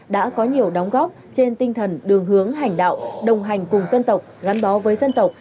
đã có nhiều đóng góp trên tinh thần đường hướng hành đạo đồng hành cùng dân tộc gắn bó với dân tộc